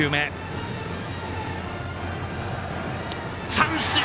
三振！